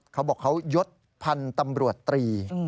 เขาบอกเขายดพันธุ์ตำรวจตรี